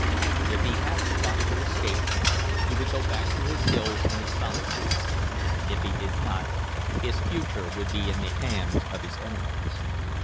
If he had the luck to escape, he would go back to his hills and his solitude; if he did not, his future would be in the hands of his enemies.